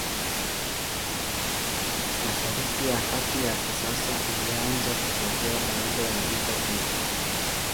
Mashariki ya Kati ya kisasa ilianza kutokea baada ya vita hiyo.